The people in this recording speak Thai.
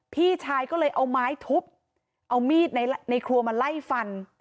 พี่ชายก็เลยเอาไม้ทุบเอามีดในครัวมาไล่ฟัน